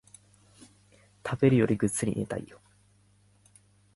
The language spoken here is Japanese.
食べるよりぐっすり寝たいよ